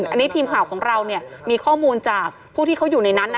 อันนี้ทีมข่าวของเรามีข้อมูลจากผู้ที่เขาอยู่ในนั้นนะ